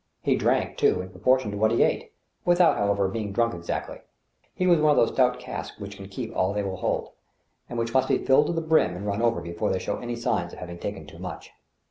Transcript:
He drank, too, in proportion to what he ate, without, however, being drunk exactly. He was one of those stout casks which can keep all they will hold, and which must be filled to the brim and run over before they show any signs of having taken too much.